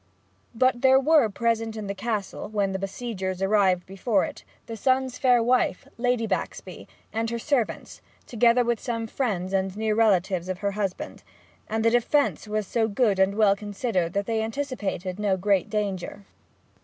But there were present in the Castle, when the besiegers arrived before it, the son's fair wife Lady Baxby, and her servants, together with some friends and near relatives of her husband; and the defence was so good and well considered that they anticipated no great danger.